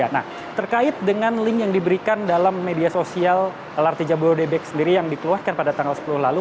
nah terkait dengan link yang diberikan dalam media sosial lrt jabodebek sendiri yang dikeluarkan pada tanggal sepuluh lalu